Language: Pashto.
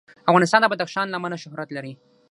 افغانستان د بدخشان له امله شهرت لري.